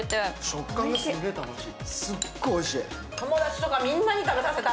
食感がすげえ楽しい。